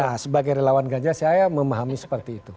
nah sebagai relawan ganjar saya memahami seperti itu